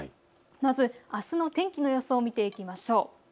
まず、あすの天気の予想を見ていきましょう。